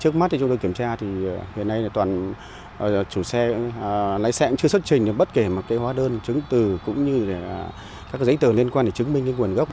trước mắt chúng tôi kiểm tra thì hiện nay toàn chủ xe lái xe cũng chưa xuất trình bất kể mà cái hóa đơn chứng từ cũng như các giấy tờ liên quan để chứng minh cái nguồn gốc